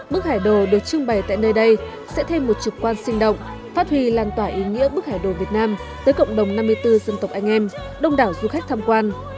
bức hải đồ được trưng bày tại nơi đây sẽ thêm một trực quan sinh động phát huy lan tỏa ý nghĩa bức hải đồ việt nam tới cộng đồng năm mươi bốn dân tộc anh em đông đảo du khách tham quan